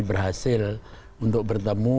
berhasil untuk bertemu